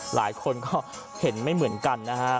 หลายคนก็เห็นไม่เหมือนกันนะฮะ